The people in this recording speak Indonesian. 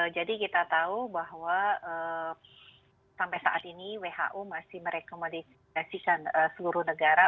jadi kita tahu bahwa sampai saat ini who masih merekomendasikan seluruh negara